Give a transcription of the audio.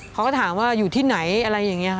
เขาก็ถามว่าอยู่ที่ไหนอะไรอย่างนี้ค่ะ